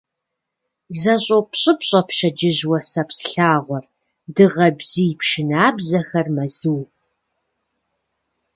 ЗэщӀопщӀыпщӀэ пщэдджыжь уасэпс лъагъуэр, дыгъэ бзий пшынэбзэхэр мэзу.